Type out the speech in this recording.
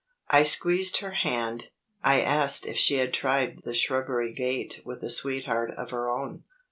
I squeezed her hand; I asked if she had tried the shrubbery gate with a sweetheart of her own.